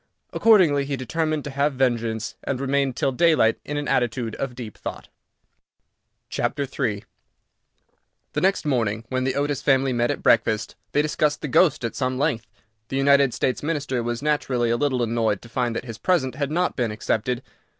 Accordingly, he determined to have vengeance, and remained till daylight in an attitude of deep thought. III The next morning, when the Otis family met at breakfast, they discussed the ghost at some length. The United States Minister was naturally a little annoyed to find that his present had not been accepted.